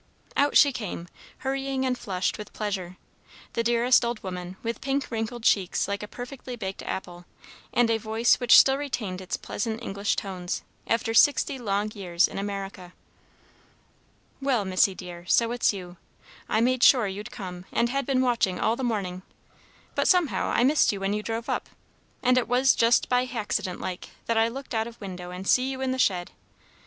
Out she came, hurrying and flushed with pleasure, the dearest old woman, with pink, wrinkled cheeks like a perfectly baked apple, and a voice which still retained its pleasant English tones, after sixty long years in America. "Well, Missy, dear, so it's you. I made sure you'd come, and had been watching all the morning; but somehow I missed you when you drove up, and it was just by haccident like, that I looked out of window and see you in the shed.